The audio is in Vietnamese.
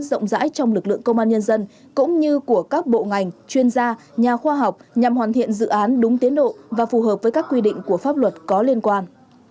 các đại biểu cơ bản nhất trí với nội dung của luật công an nhân dân cũng như của các bộ ngành chuyên gia nhà khoa học nhằm hoàn thiện dự án đúng tiến độ và phù hợp với các quy định của pháp luật có liên quan